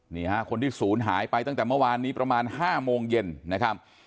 นี่ฮะคนที่ศูนย์หายไปตั้งแต่เมื่อวานนี้ประมาณ๕โมงเย็นนะครับ